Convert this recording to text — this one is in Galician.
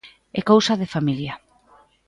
É cousa de familia.